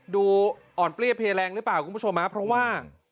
ดูอ่อนเปรี้ยเพแรงหรือเปล่าคุณผู้ชมฮะเพราะว่า